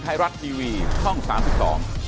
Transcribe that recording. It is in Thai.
สวัสดีครับ